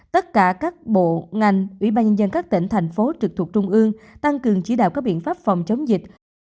tất cả các bộ ngành ủy ban nhân dân các tỉnh thành phố trực thuộc trung ương tăng cường chỉ đạo các biện pháp phòng chống dịch